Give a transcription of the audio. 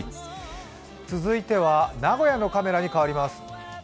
続いては名古屋のカメラに変わります。